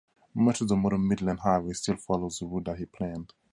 Much of the modern Midland Highway still follows the route that he planned.